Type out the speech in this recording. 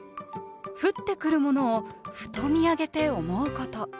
降ってくるものをふと見上げて思うこと。